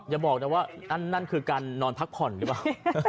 อย่าบอกนะว่านั่นคือการนอนพักผ่อนหรือเปล่า